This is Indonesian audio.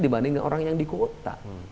dibandingin orang yang di kota